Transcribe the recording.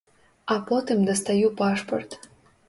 А потым дастаю пашпарт.